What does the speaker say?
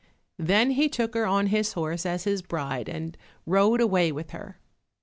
Then he took her on his horse as his bride and rode away with her.